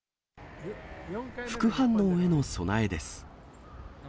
副反応への備えです。